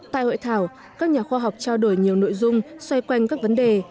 tại hội thảo các nhà khoa học trao đổi nhiều nội dung xoay quanh các vấn đề